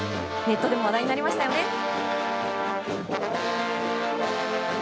ネットでも話題になりましたよね。